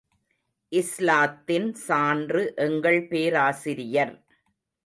இஸ்லாத்தின் சான்று எங்கள் பேராசிரியர்.